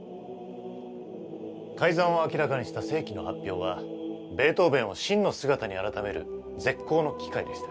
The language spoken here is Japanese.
改ざんを明らかにした世紀の発表はベートーヴェンを真の姿に改める絶好の機会でした。